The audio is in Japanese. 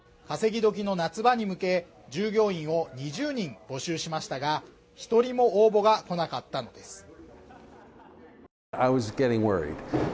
稼ぎ時の夏場に向け従業員を２０人募集しましたが一人も応募が来なかったのです